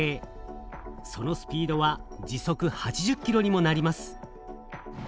そのスピードは時速８０キロにもなります。